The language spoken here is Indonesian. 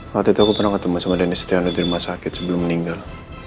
waktu itu aku pernah ketemu sama denny setiano di rumah sakit sebelum meninggal